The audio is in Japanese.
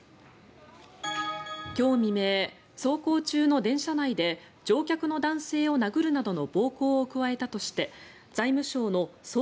今日未明、走行中の電車内で乗客の男性を殴るなどの暴行を加えたとして財務省の総括